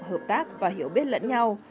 hợp tác và hiểu biết lẫn nhau